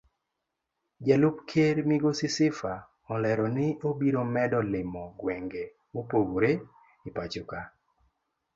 Jalup ker migosi Sifa olero ni obiro medo limo gwenge mopogore epachoka.